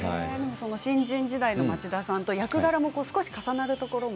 新人時代の町田さんの役柄も少し重なるところも？